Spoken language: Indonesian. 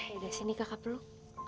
yaudah sini kakak peluk